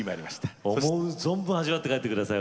思う存分味わって帰って下さい。